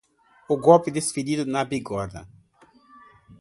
O golpe desferido na bigorna